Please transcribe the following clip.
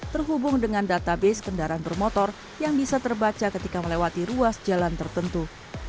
terhubung dengan database kendaraan bermotor yang bisa terbaca ketika melewati ruas jalan tertentu